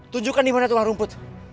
tunjukkan di mana tulang rumput